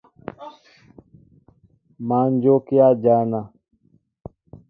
Má jókíá jăna.